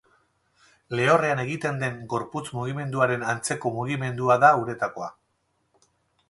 Lehorrean egiten den gorputz-mugimenduaren antzeko mugimendua da uretakoa.